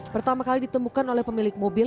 pertama kali ditemukan oleh pemilik mobil